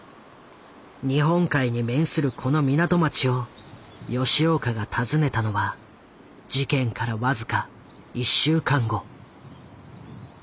日本海に面するこの港町を吉岡が訪ねたのは事件からわずか１週間後。